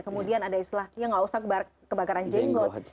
kemudian ada istilah ya nggak usah kebakaran jenggot